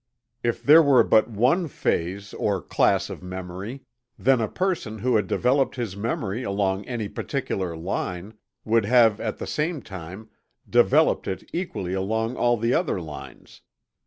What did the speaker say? If there were but one phase or class of memory, then a person who had developed his memory along any particular line would have at the same time developed it equally along all the other lines.